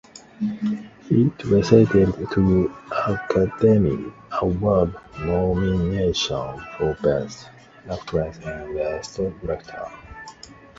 It received two Academy Award nominations for Best Actress and Best Director.